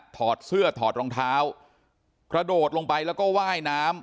ถอดเสื้อถอดรองเท้ากระโดดลงไปแล้วก็ว่ายน้ำ